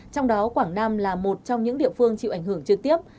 trong đó quảng nam là một trong những địa phương chịu ảnh hưởng trực tiếp